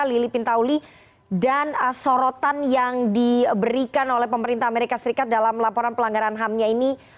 lili pintauli dan sorotan yang diberikan oleh pemerintah amerika serikat dalam laporan pelanggaran ham nya ini